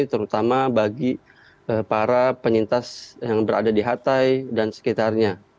terutama bagi para penyintas yang berada di hatay dan sekitarnya